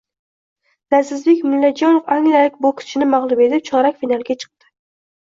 Lazizbek Mullajonov angliyalik bokschini mag‘lub etib, chorak finalga chiqdi